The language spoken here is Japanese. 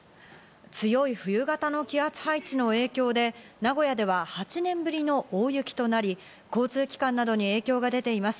強い冬型の気圧配置の影響で名古屋では８年ぶりの大雪となり、交通機関などに影響が出ています。